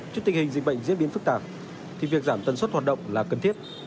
trước tình hình dịch bệnh diễn biến phức tạp thì việc giảm tân suất hoạt động là cần thiết